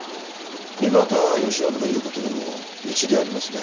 井端由伸の言う事にも一理ありますね。